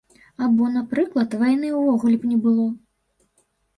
Або, напрыклад, вайны ўвогуле б не было?